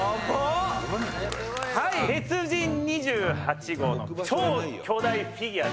「鉄人２８号の超巨大フィギュアです」